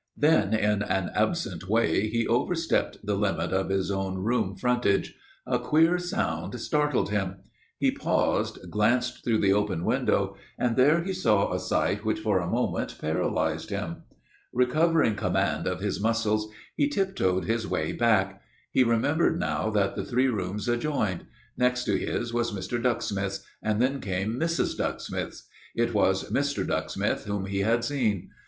Then, in an absent way, he overstepped the limit of his own room frontage. A queer sound startled him. He paused, glanced through the open window, and there he saw a sight which for the moment paralyzed him. [Illustration: THERE HE SAW A SIGHT WHICH FOR THE MOMENT PARALYZED HIM] Recovering command of his muscles, he tiptoed his way back. He remembered now that the three rooms adjoined. Next to his was Mr. Ducksmith's, and then came Mrs. Ducksmith's. It was Mr. Ducksmith whom he had seen.